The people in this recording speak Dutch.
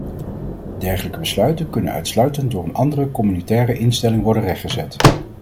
Dergelijke besluiten kunnen uitsluitend door een andere communautaire instelling worden rechtgezet.